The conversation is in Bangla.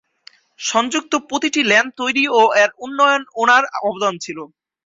সংযুক্ত প্রতিটি লেন তৈরী ও এর উন্নয়ন উনার অবদান ছিল।